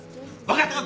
分かった！